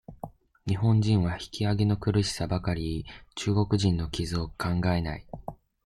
日本人は、引き揚げの苦しさばかり言い、中国人の傷を考えない。